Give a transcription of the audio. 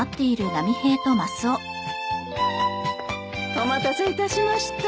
お待たせいたしました。